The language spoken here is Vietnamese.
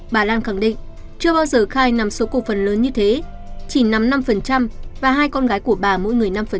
bà lan khẳng định chưa bao giờ khai nằm số cổ phần lớn như thế chỉ nắm năm và hai con gái của bà mỗi người năm